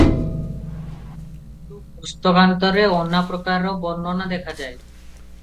କିନ୍ତୁ ପୁସ୍ତକାନ୍ତରରେ ଅନାପ୍ରକାର ବର୍ଣ୍ଣନା ଦେଖାଯାଏ ।